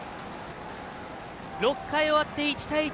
６回終わって１対１。